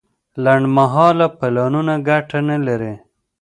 لنډمهاله پلانونه ګټه نه لري.